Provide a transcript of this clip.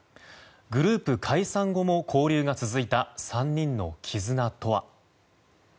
グループ解散後も交流が続いた３人の絆とは。